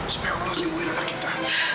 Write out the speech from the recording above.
supaya allah sembuhi dana kita